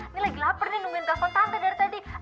ini lagi lapar nih nungguin telepon tante dari tadi